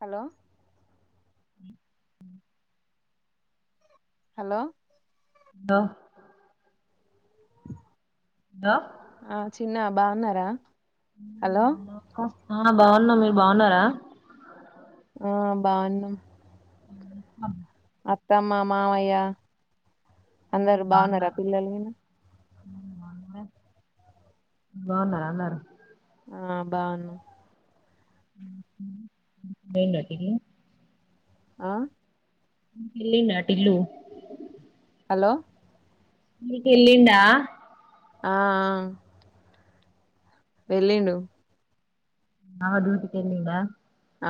Hello [inaudible] hello బా [inaudible] ఆ చ్ తిన్న బాగున్నారా హు హలో నందక్క ఆమ్ బాగున్నా మీరు బాగున్నారా ఆ బాగున్నాం హూ మ్ హబ్ అత్తమ్మ మామయ్య అందరు బాగున్నారా పిల్లలు గినా బాన్నార అందరూ ఆ బాగున్నం అయిందా టిఫిన్ ఆ ఇల్లి నాటిల్లు హలో మీక్ ఎల్లిండా ఆ ఆ వెళ్ళిండు అ డ్యూటికెళ్ళిండా ఆ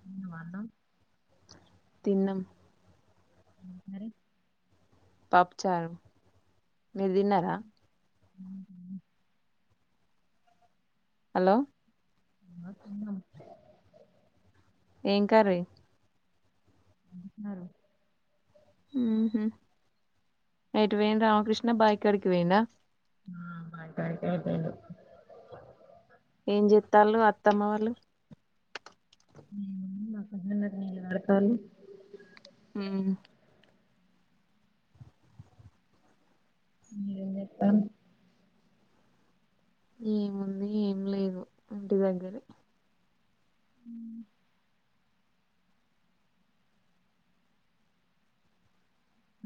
తిన్నవా అన్నం తిన్నాం హు సరే పప్పుచారు మీరు తిన్నారా హలో ఇంగ తిన్నాం ఏం కర్రీ బిగిచ్చినారు హు హ్మ్ ఎటు వోయిన్ రామకృష్ణ బాయికాడకి పోయిండా ఆ బాయికాడికే పోయిండు ఏం చెత్తాళ్ళు అత్తమ్మ వాళ్ళు మా కలు ఉమ్ మీరేం చెత్తారు ఏముంది ఏం లేదు ఇంటి దగ్గర అ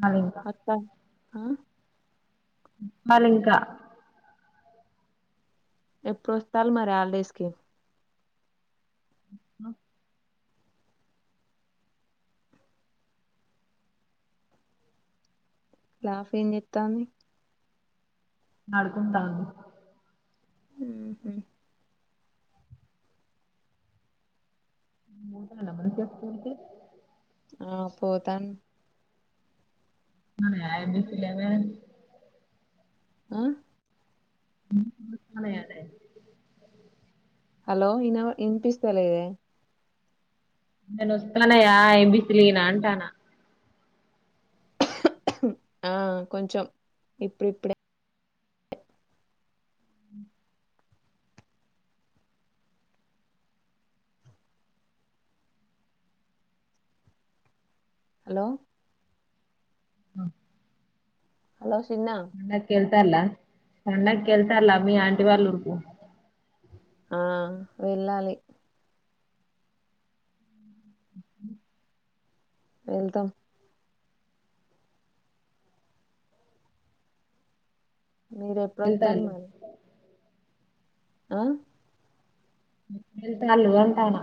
వాళ్ళు ఇంకా అత్తా మ్మ్ చెప్పాలింకా ఎప్పుడోస్తారు మరి హాలిడేస్ కి లాఫెమ్ ఏం చెత్తంది ఆడుకుంటాన్ది హ్మ్ హు [unintelligible] మనిషోస్తే ఏంటి ఆ పోతాన్ ఆ మీ ఆయన్ని పిలవ్గానే ఆ మ్ మలయాళి హలో ఇన వినిపిస్తలేదే నేన్నోస్తన్నాయా ఎబీస్లి నంటానా ఆ కొంచం ఇప్పుడిప్పుడే హలో ఆ హలో చిన్న ల్ సన్నకి కళ్తాల మీ ఆంటి వాళ్ళర్కు ఆ వెళ్ళాలి వెళ్తాం మీరు ఎప్పుడు వాతన్నారు వెళ్తాళ్ళు మరి ఆ వెళ్తే గాదు వొళ్తా ఆయాన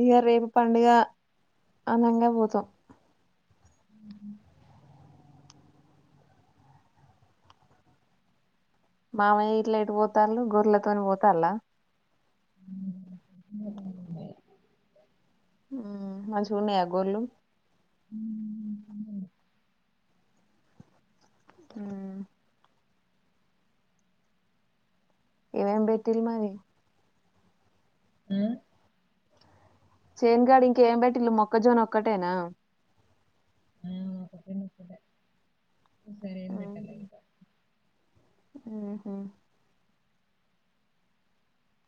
ఇగ రేపు పండుగ అనంగా పోతాం మామయ్య ఇట్లా ఎటు పోతాల్లు గొర్రెలతోను పోతాళ్ళ [inaudible] మంచిగున్నాయా గోళ్ళు ఆ ఏవేంబెటిలు మరి ఆ చేన్గాడి ఇంకేం బట్టి ఇల్లు మొక్కజోన్ ఒక్కటేనా ఆ సరేం పెట్టాల ఇద ఆహా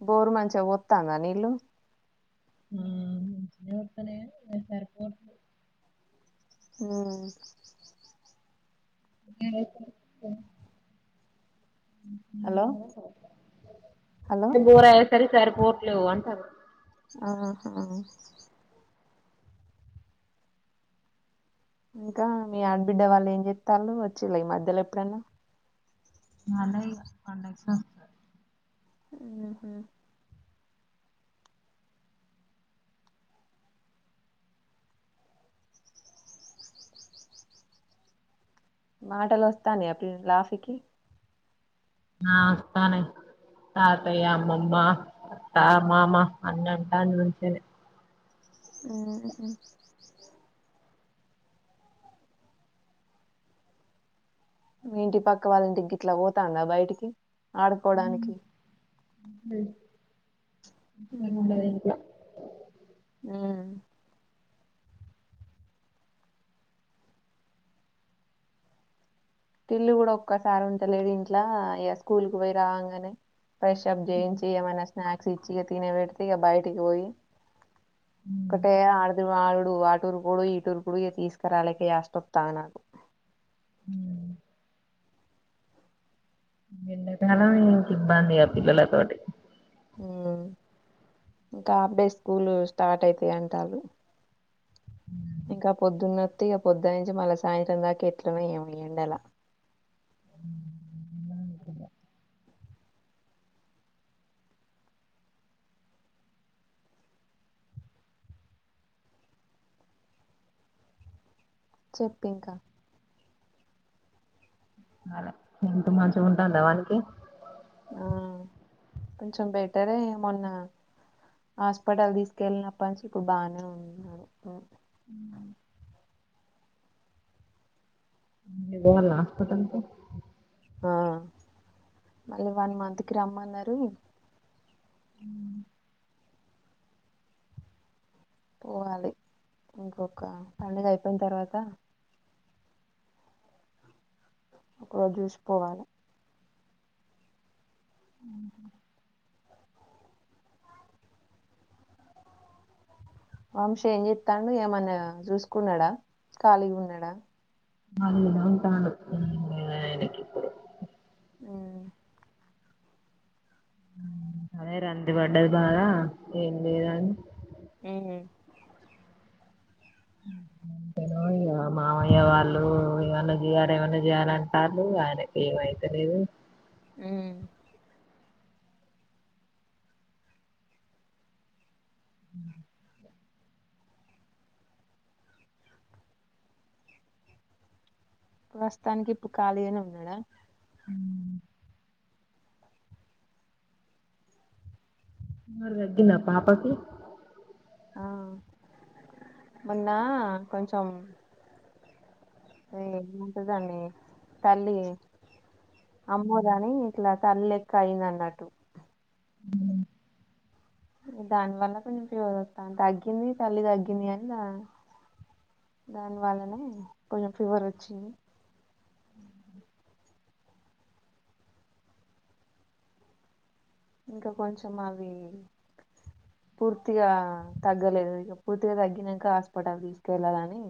బోరు మంచిగా వస్తాంద నీళ్లు [inaudible] అ హలో [inaudible] హలో బోర్ ఆయా సరి సారి పోట్లు అంటారు ఆహా ఇంకా మీ ఆడబిడ్డ వాళ్ళు ఏం చెస్త ఉండ్రు, వచ్చేలా ఈ మధ్యలో ఎప్పుడన్నా అదే ఇగ పండక్కి వస్తా ఆహా మాటలు వస్తాను అప్పుడు ఫీకి నాస్తానే తాతయ్య అమ్మమ్మ అత్త మామ అన్నంటా అ ను మంచించి ఆహ ఇంటి పక్క వాళ్ళంటికి ఇట్లా పోతాడా బయటికి ఆడుకోవడానికి అ ఇ ఉండదకు ఉ పిల్లు కూడా ఒక్కసారి ఉంటలేడు ఇంట్లో ఇక స్కూల్కి పోయి రావంగానే ఫ్రెష్ అప్ చేయించి ఏమైనా స్నాక్స్ ఇచ్చి ఇక తినబెడితే ఇక బయటికి పోయి ఉమ్, ఒకటే ఆడ ఆడుడు ఆటూరుకుడు ఈటూరుకుడు ఇక తీసుకురాలేక చేస్తొతా నాకు ఉమ్. ఎండాకాలం ఇంకా ఇబ్బంది ఆ పిల్లలతోటి ఉమ్ ఇంకా హాఫ్ డే స్కూలు స్టార్ట్ అవుతాయి అంటారు ఇంకా పొద్దున్నొ ఇక పొద్దు నుంచి మళ్ళీ సాయంత్రం దాకా ఎట్లన ఏమియ్యండి అలా చెప్పంక ఇంత మంచిగా ఉంటుంద వానికి ఆ కొంచెం బెటరే మొన్న హాస్పిటల్ తీసుకెళ్ళినప్ప నుంచి ఇప్పుడు బాగానే ఉనాడు ఆ ఇపుడు పోవలనా హాస్పిటల్ కి ఆ మళ్ళీ వన్ మంత్కీ రమ్మన్నారు పోవాలి ఇంకొక పండుగ అయిపోయిన తర్వాత ఒక రోజు చూసిపోవాలి వంశి ఏం ఎస్తాడు ఏమన్నా చూసుకున్నాడా ఖాళీగా ఉన్నాడా ఖాళీగా ఉంటాండు లేదు ఆయనకి ఇప్పుడు ఉమ్ కంది పడ్డది బాగా ఏం జేయాలె ఉహు ఉహుమ్ టెను ఇగా మామయ్య వాళ్ళు ఏమన్నా చేయాల ఏమన్నా చేయాల అంటారు ఆయనకి ఏమైతలేదు ఉమ్ ప్రస్తుతానికి ఇప్పుడు ఖాళీ అనే ఉన్నాడా ఫీవర్ తగ్గిద పాపాకి ఆ మొన్న కొంచం అ ఏమూటదండి తల్లి అమ్మోదని ఇట్లా తల్ లెక్క అయింది అన్నట్టు దానివల్ల కొంచెం ఫీవర్ వస్తా తగ్గింది తల్లి తగ్గింది అని దా దానివల్లనే కొంచం ఫీవర్ వచ్చింది ఇంకా కొంచం అవి పూర్తిగా తగ్గలేదు ఇక పూర్తిగా తగ్గినాక హాస్పిటల్ తీసుకెళ్ళాలని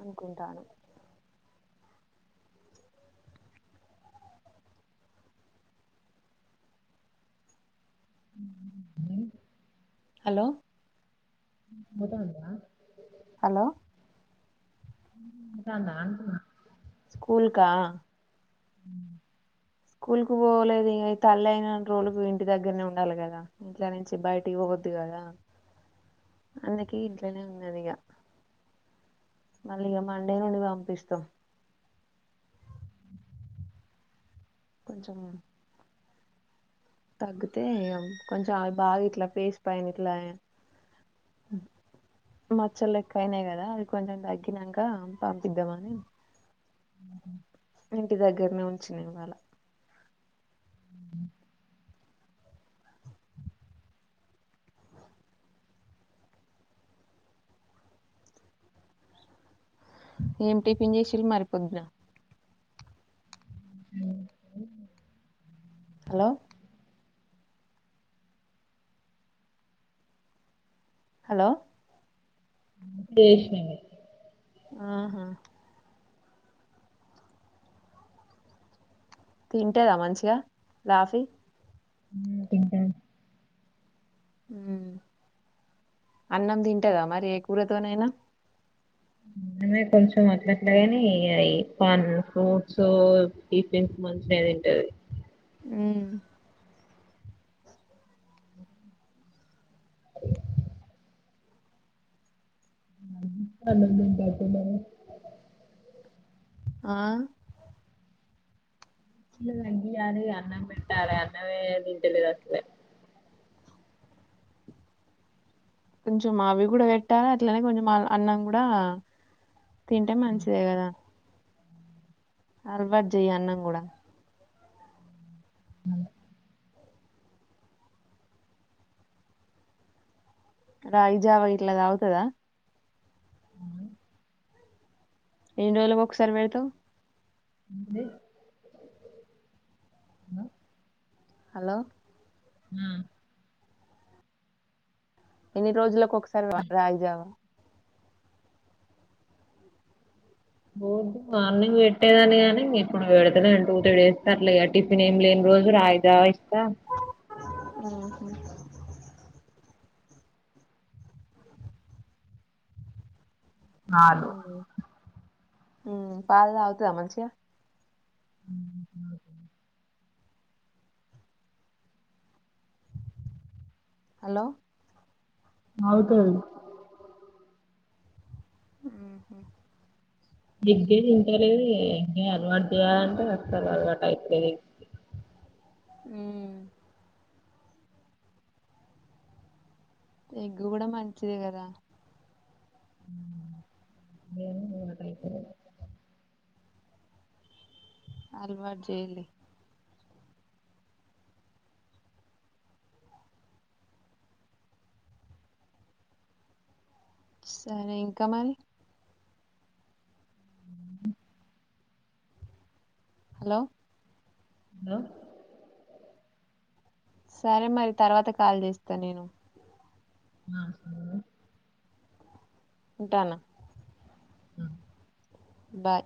అనుకుంటానామ్ ఉమ్ హలో మదాందా హలో మంటంద అంటునా స్కూల్ కా స్కూల్ కు పోలేదు ఇక ఈ తల్లి అయిన రోజుకు ఇంటి దగ్గరనే ఉండాలి కదా ఇంట్ల నుంచి బయటికి పోవద్దు కదా అందుకె ఇంట్లోనే ఉన్నది ఇగ మళ్ళీ ఇగ మండే నుండి పంపిస్తాం కొంచం తగ్గితే కొంచం అవి బాగా ఇట్లా ఫేస్ పైన ఇట్లా మచ్చలు లెక్క అయినాయి కదా అది కొంచం తగ్గినాక పంపిద్దామ అని ఉహుమ్ ఇంటి దగ్గరనే ఉంచిన ఇవాళ ఏం టిఫిన్ చేసిర్రు మరి పొద్దున హలో హలో చేసినవే ఆహా తింటదా మంచిగా లాఫీ తింటాంది ఉమ్ అన్నం తింటదా మరి ఏ కూరతోనైనా అ కొంచెం అట్లాట్లేగాని పన్ ఫ్రూట్స్, టీఫీన్స్ మంచిగా తింటది ఉమ్ అన్నం తింటే అయిపో ఆ ఇంగారు అన్నం పెట్టాలే అన్నమే తింటలే ఆసలే కొంచం అవి కూడా వెట్టా అట్లానే కొంచం మా అన్నం గుడా తింటే మంచిదే గాదా అలవాటు జెయ్ అన్నం కూడా మ్ రాగి జావా ఇట్లా తగుతదా ఎన్ని రోజులు ఒకసారి పెడుతవ్ దే హలో మ్ ఎన్ని రోజులకు ఒకసారి ఒకసారి రాయజావా బోద్దు మార్నింగ్ పెట్టేదని కాగానీ ఇప్పుడు విడదలే టూ త్రీ డేస్ తర్లే టిఫిన్ ఏమి లేని రోజు రాగి జావా అ చాలు అ ఉ పాలుతాగుతదా మంచిగా ఉ హలో నవుతది ఆ దిదిే తింటలేదు ఇం అలవాటు చేయాలంటే వస్తారు అలవాటు అవుతులేదిది అ ఎగ్గు కూడా మంచిదే కదా ఏను ఉ టైపో అలవాటు జైలి సరే ఇంకా మరి హలో హలో సరే మరి తర్వాత కాల్ చేస్తా నేను నా స ఉంటానా ఆ బాయ్